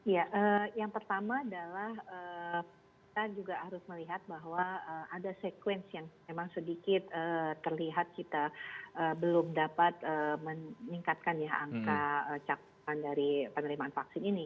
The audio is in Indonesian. ya yang pertama adalah kita juga harus melihat bahwa ada sekuensi yang memang sedikit terlihat kita belum dapat meningkatkan ya angka cakupan dari penerimaan vaksin ini